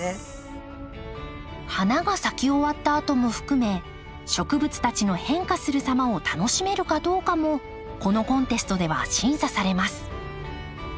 花が咲き終わったあとも含め植物たちの変化するさまを楽しめるかどうかもこのコンテストでは審査されます。